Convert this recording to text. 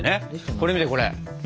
これ見てこれ！